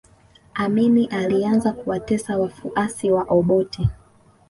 amini alianza kuwatesa wafuasi wa obote